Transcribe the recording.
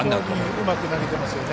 うまく投げていますよね。